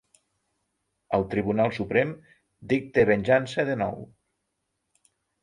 El Tribunal Suprem dicta venjança de nou.